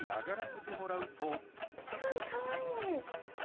すごいかわいい。